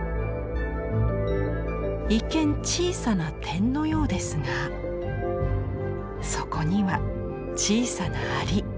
一見小さな点のようですがそこには小さな蟻。